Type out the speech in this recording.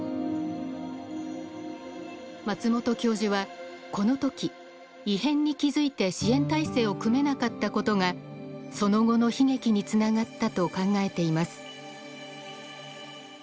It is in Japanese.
松本教授はこの時異変に気付いて支援体制を組めなかったことがその後の悲劇につながったと考えています。